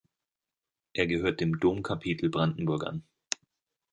Er gehört dem Domkapitel Brandenburg an.